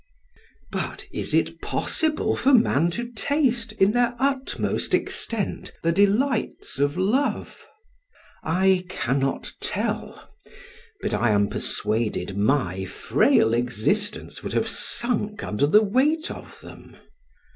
But is it possible for man to taste, in their utmost extent, the delights of love? I cannot tell, but I am persuaded my frail existence would have sunk under the weight of them.